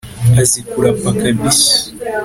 azi kurap kabisa